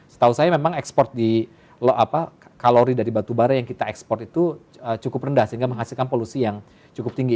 setahu saya memang ekspor di kalori dari batubara yang kita ekspor itu cukup rendah sehingga menghasilkan polusi yang cukup tinggi